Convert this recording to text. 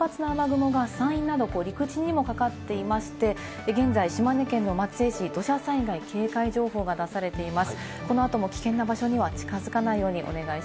隠れた前線なんですが、この活発な雨雲が山陰など陸地にもかかっていまして、現在、島根県の松江市に土砂災害警戒情報が出されています。